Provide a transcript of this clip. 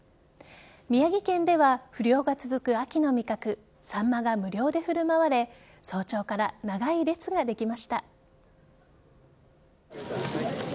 宮城県では不漁が続く秋の味覚・サンマが無料で振る舞われ早朝から長い列ができました。